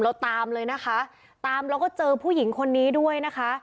เราตามเลยนะคะตามแล้วก็เจอผู้หญิงคนนี้ด้วยนะคะ